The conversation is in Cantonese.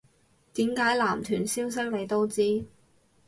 點解男團消息你都知